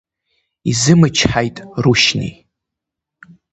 Изымчҳаит Рушьни.